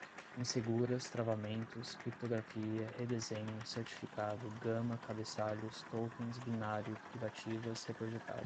inseguras, travamentos, criptografia, redesenho, certificado, gama, cabeçalhos, tokens, binário, privativas, reprojetada